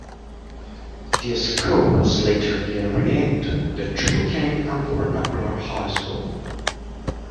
The school was later again renamed "The Triplicane Anglo-Vernacular High School".